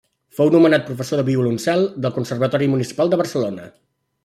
Fou nomenat professor de violoncel del Conservatori Municipal de Barcelona.